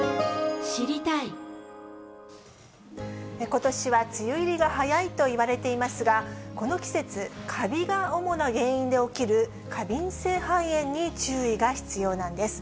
ことしは梅雨入りが早いといわれていますが、この季節、カビが主な原因で起きる過敏性肺炎に注意が必要なんです。